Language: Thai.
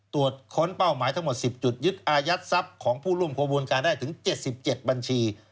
ตรวจค้นเป้าหมายทั้งหมด๑๐จุดยึดอายัดทรัพย์ของผู้ร่วมขบวนการได้ถึง๗๗บัญชี